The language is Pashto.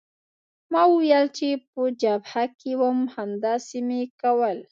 ما وویل چې په جبهه کې وم همداسې مې کول.